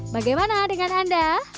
bagaimana dengan anda